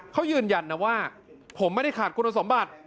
เขายืนยันนะว่าผมไม่ได้ขาดคุณสมบัติ